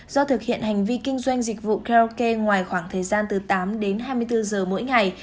do thực hiện hành vi kinh doanh dịch vụ karaoke ngoài khoảng thời gian từ tám đến hai mươi bốn giờ mỗi ngày